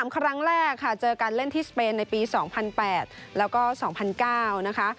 ครั้งแรกค่ะเจอกันเล่นที่สเปนในปี๒๐๐๘แล้วก็๒๐๐๙นะคะ